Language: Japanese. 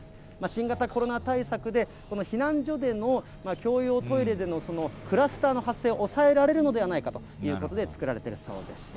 新型コロナ対策で、この避難所での共用トイレでのクラスターの発生を抑えられるのではないかということで作られているそうです。